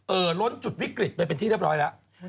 ล้นจุดวิกฤตไปเป็นที่เรียบร้อยแล้ว